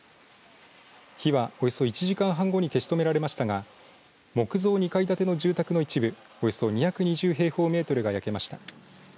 火は、およそ１時間半後に消し止められましたが木造２階建ての住宅の一部およそ２２０平方メートルが焼けました。